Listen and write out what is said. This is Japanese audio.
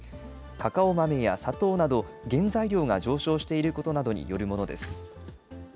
カカオ豆や砂糖など、原材料が上昇していることなどによるものです。